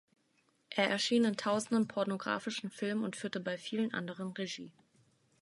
Er erschien in Tausenden pornographischen Filmen und führte bei vielen anderen Regie.